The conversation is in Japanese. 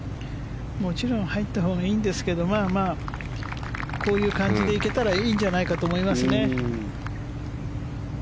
もちろん入ったほうがいいんですけどこういう感じで行けたらいいんじゃないかと思いますね。